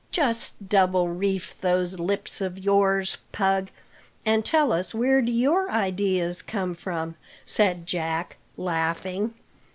"Just double reef those lips of yours, Pug, and tell us where do your ideas come from?" said Jack, laughing.